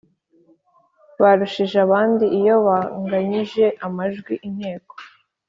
barushije abandi Iyo banganyije amajwi Inteko